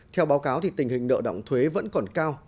theo báo cáo tình hình nợ động thuế vẫn còn cao